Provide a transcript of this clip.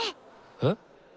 えっ？